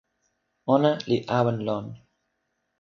ona li awen lon.